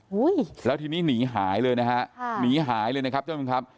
อุ้ยแล้วทีนี้หนีหายเลยนะฮะค่ะหนีหายเลยนะครับท่านผู้ชมครับ